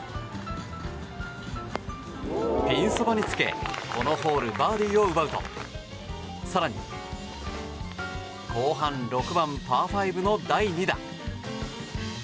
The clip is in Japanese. ピンそばにつけこのホールバーディーを奪うと更に、後半６番、パー５の第２打。